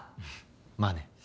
まあね。